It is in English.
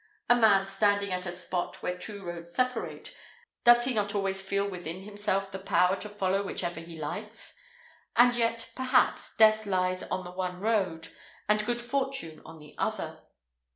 A man standing at a spot where two roads separate, does he not always feel within himself the power to follow whichever he likes? and yet, perhaps, death lies on the one road, and good fortune on the other."